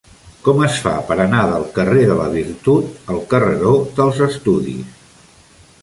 Com es fa per anar del carrer de la Virtut al carreró dels Estudis?